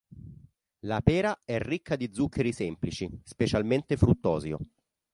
La pera è ricca di zuccheri semplici, specialmente fruttosio.